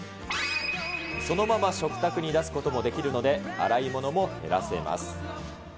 そのまま食卓に出すこともできるので、洗い物も減らせます。